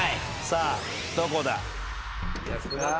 さあどこだ？